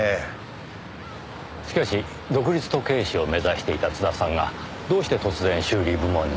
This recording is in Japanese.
しかし独立時計師を目指していた津田さんがどうして突然修理部門に。